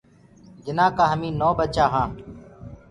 جنآ ڪآ هميٚ نو ٻچآ هآنٚ۔